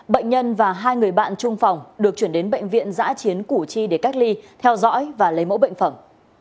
bệnh nhân và hai người bạn trung phòng được chuyển đến bệnh viện giã chiến củ chi để cách ly theo dõi và lấy mẫu bệnh phẩm